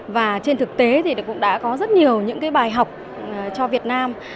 và trên thực tế thì cũng đã có rất nhiều những cái bài học cho việt nam